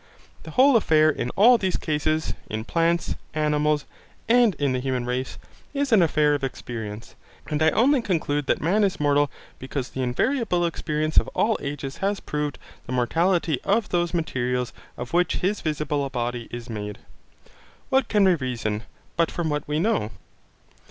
The whole affair in all these cases, in plants, animals, and in the human race, is an affair of experience, and I only conclude that man is mortal because the invariable experience of all ages has proved the mortality of those materials of which his visible body is made: What can we reason, but from what we know?